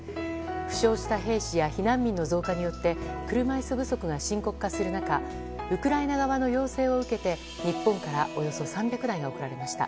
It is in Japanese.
負傷した兵士や避難民の増加によって車椅子不足が深刻化する中ウクライナ側の要請を受けて日本からおよそ３００台が贈られました。